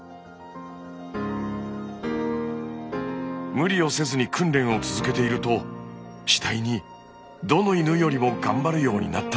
無理をせずに訓練を続けていると次第にどの犬よりも頑張るようになったんです。